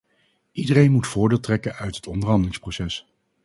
Iedereen moet voordeel trekken uit het onderhandelingsproces.